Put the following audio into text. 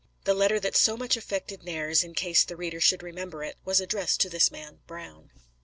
The letter that so much affected Nares, in case the reader should remember it, was addressed to this man Brown.